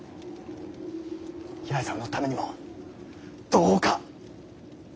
八重さんのためにもどうか。